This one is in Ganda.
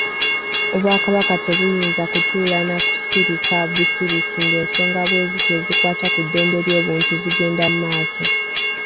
Obwakabaka tebuyinza kutuula na kusirika busirisi ng'ensonga bweziti ezikwata ku ddembe ly'obuntu zigenda mu maaso.